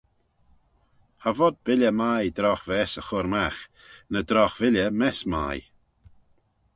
Cha vod billey mie drogh vess y chur magh: ny drogh villey mess mie.